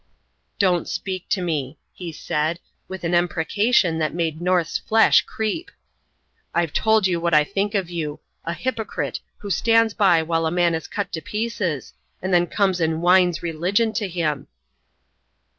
"Don't speak to me," he said, with an imprecation that made North's flesh creep. "I've told you what I think of you a hypocrite, who stands by while a man is cut to pieces, and then comes and whines religion to him."